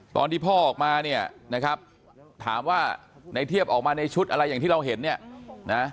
ตอนที่พ่อออกมาถามว่าในเทียบออกมาในชุดอะไรอย่างที่เราเห็น